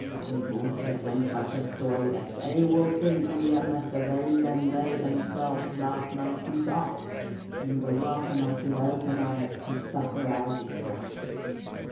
We will give them such a story that they will think we have met the very men they themselves last night beat off, and will welcome us with open arms to succour our distress.